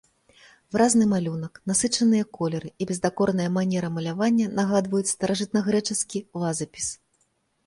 Выразны малюнак, насычаныя колеры і бездакорная манера малявання нагадваюць старажытнагрэчаскі вазапіс.